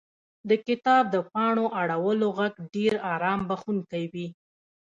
• د کتاب د پاڼو اړولو ږغ ډېر آرام بښونکی وي.